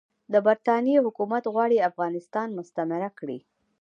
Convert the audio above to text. د برټانیې حکومت غواړي افغانستان مستعمره کړي.